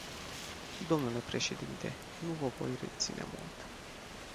Domnule președinte, nu vă voi reține mult.